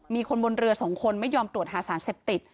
มีคนบนเรือ๒คนไม่ยอมตรวจหาสารเสพติด